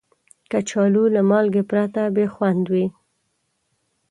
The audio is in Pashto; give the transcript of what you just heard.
کچالو له مالګې پرته بې خوند وي